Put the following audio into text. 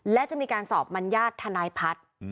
และจะมีการสอบมัญญาติทนายพัฒน์